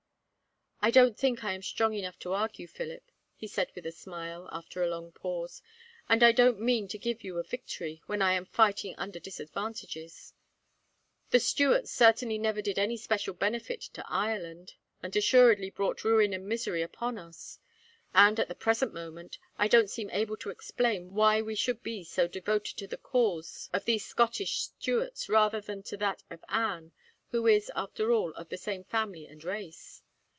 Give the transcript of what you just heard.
"I don't think I am strong enough to argue, Philip," he said with a smile, after a long pause, "and I don't mean to give you a victory, when I am fighting under disadvantages. The Stuarts certainly never did any special benefit to Ireland, and assuredly brought ruin and misery upon us; and at the present moment, I don't seem able to explain why we should be so devoted to the cause of these Scottish Stuarts, rather than to that of Anne, who is, after all, of the same family and race.